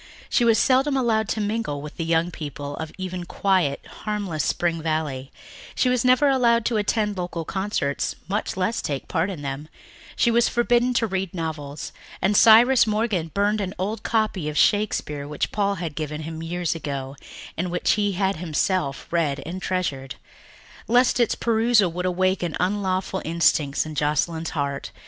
She was seldom allowed to mingle with the young people of even quiet, harmless Spring Valley; she was never allowed to attend local concerts, much less take part in them; she was forbidden to read novels, and Cyrus Morgan burned an old copy of Shakespeare which Paul had given him years ago and which he had himself read and treasured, lest its perusal should awaken unlawful instincts in Joscelyn's heart.